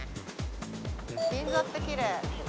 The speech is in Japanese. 銀座ってきれい。